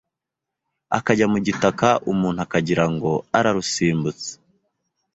akajya mu gitaka umuntu akagirango ararusimbutse